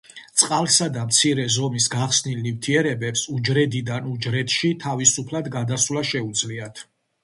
წყალსა და მცირე ზომის გახსნილ ნივთიერებებს უჯრედიდან უჯრედში თავისუფლად გადასვლა შეუძლიათ.